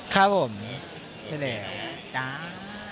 นะครับผม